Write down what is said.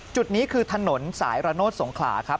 จุดนี้คือถนนสายระโนธสงขลาครับ